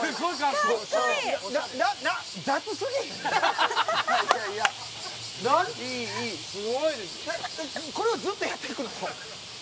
これをずっとやっていくの？